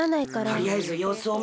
とりあえずようすをみるか。